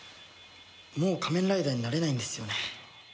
もう仮面ライダーになれないんですよね？